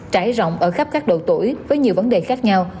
trải rộng ở khắp các độ tuổi với nhiều vấn đề khác nhau